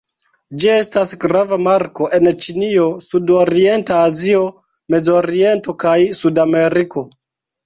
Ĝi estas grava marko en Ĉinio, Sud-Orienta Azio, Mezoriento kaj Sudameriko.